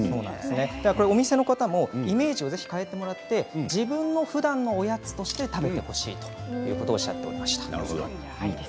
お店の方もイメージを変えて自分のふだんのおやつとして食べてほしいとおっしゃっていました。